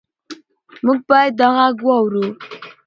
موږ باید دا غږ واورو.